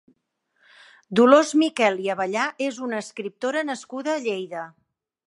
Dolors Miquel i Abellà és una escriptora nascuda a Lleida.